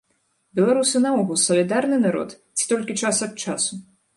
Беларусы наогул салідарны народ ці толькі час ад часу?